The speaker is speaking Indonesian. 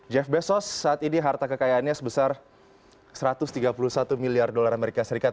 jeff bezos saat ini harta kekayaannya sebesar satu ratus tiga puluh satu miliar dolar amerika serikat